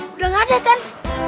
udah gak ada kan